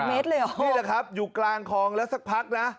เมตรเลยเหรอนี่แหละครับอยู่กลางคลองแล้วสักพักนะ